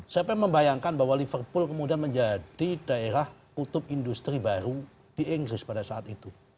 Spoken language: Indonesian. siapa yang membayangkan bahwa liverpool kemudian menjadi daerah kutub industri baru di inggris pada saat itu